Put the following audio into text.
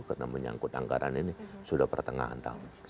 karena menyangkut anggaran ini sudah pertengahan tahun